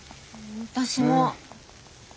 私も。